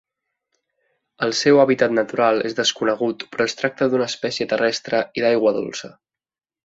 El seu hàbitat natural és desconegut però es tracta d'una espècie terrestre i d'aigua dolça.